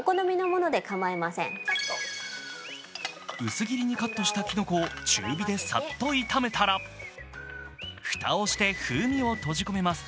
薄切りにカットしたきのこを中火でさっと炒めたらふたをして風味を閉じ込めます。